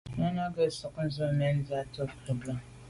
Náná gə̀ sɔ̌k ndzwə́ mɛ̀n zə̄ á tɛ̌n krút jùp bà’.